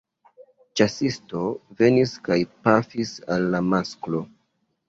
Ĉasisto venis kaj pafis al la masklo.